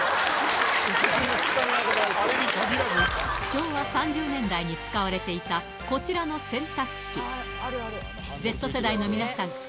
昭和３０年代に使われていたこちらの洗濯機Ｚ世代の皆さん